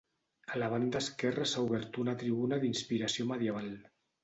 A la banda esquerra s'ha obert una tribuna d'inspiració medieval.